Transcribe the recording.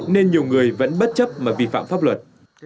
nên nhiều người vẫn bất chấp mà vi phạm pháp luật